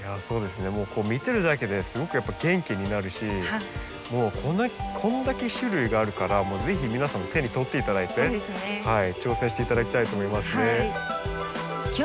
そうですねもう見てるだけですごくやっぱ元気になるしもうこんだけ種類があるからもう是非皆さんも手に取って頂いて挑戦して頂きたいと思いますね。